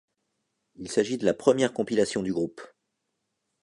Il s'agit de la première compilation du groupe.